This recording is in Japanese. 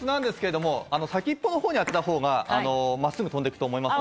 先っぽのほうに当てたほうが真っすぐ飛んでいくと思います。